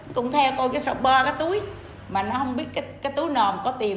cũng theo cô cái sọc bo cái túi mà nó không biết cái túi nào có tiền